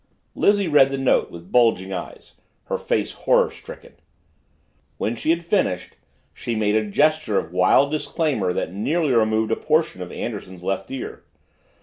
Lizzie read the note with bulging eyes, her face horror stricken. When she had finished, she made a gesture of wild disclaimer that nearly removed a portion of Anderson's left ear.